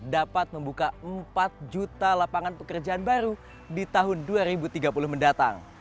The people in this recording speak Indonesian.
dapat membuka empat juta lapangan pekerjaan baru di tahun dua ribu tiga puluh mendatang